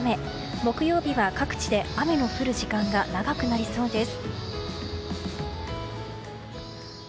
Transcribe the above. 木曜日は各地で雨の降る時間が長くなりそうです。